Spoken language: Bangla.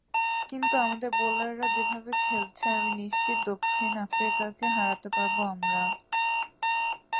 কিন্তু আমাদের বোলাররা যেভাবে খেলছে, আমি নিশ্চিত, দক্ষিণ আফ্রিকাকে হারাতে পারব আমরা।